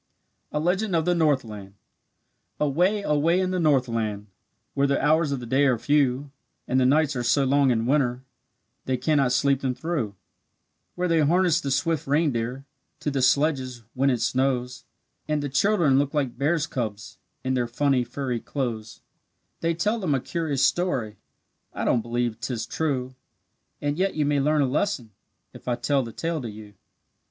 A LEGEND OF THE NORTHLAND Away, away in the Northland, Where the hours of the day are few, And the nights are so long in winter They cannot sleep them through; Where they harness the swift reindeer To the sledges, when it snows; And the children look like bears' cubs In their funny, furry clothes; They tell them a curious story I don't believe 'tis true; And yet you may learn a lesson If I tell the tale to you.